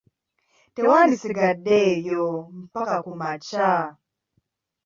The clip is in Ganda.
Tewandisigadde eyo mpaka ku makya!